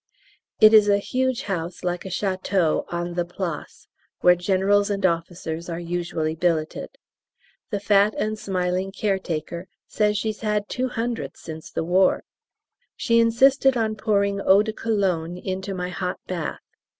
It is a huge house like a Château, on the Place, where Generals and officers are usually billeted. The fat and smiling caretaker says she's had two hundred since the war. She insisted on pouring eau de Cologne into my hot bath.